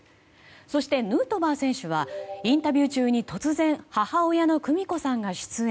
そして、ヌートバー選手はインタビュー中に突然、母親の久美子さんが出演。